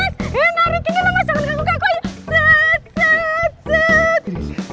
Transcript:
eh narikin dia mas